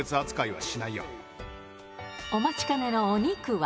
お待ちかねのお肉は。